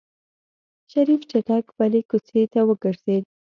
شريف چټک بلې کوڅې ته وګرځېد.